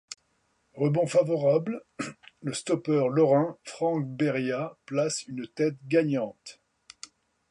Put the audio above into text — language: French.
Rebond favorable, le stoppeur lorrain Franck Béria place une tête gagnante.